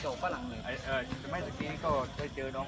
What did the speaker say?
สวัสดีครับทุกคนขอบคุณครับทุกคน